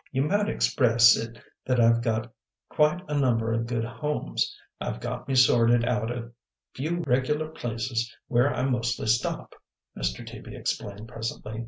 "You might express it that I've got quite a number o' good homes; I've got me sorted out a few regular places where I mostly stop," Mr. Teaby explained presently.